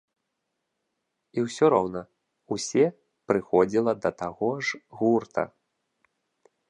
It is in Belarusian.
І ўсё роўна, ўсе прыходзіла да таго ж гурта.